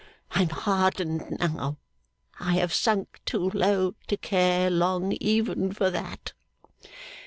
I am hardened now, I have sunk too low to care long even for that.